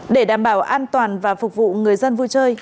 để đảm bảo an toàn và phục vụ người dân vui chơi